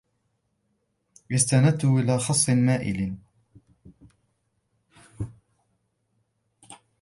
استندت إلى خصٍ مائلٍ